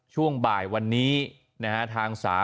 ขอบคุณครับ